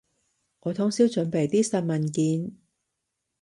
我通宵準備啲新文件